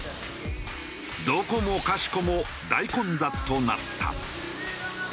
どこもかしこも大混雑となった。